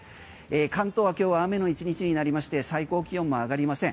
関東は今日は雨の１日になりまして最高気温も上がりません。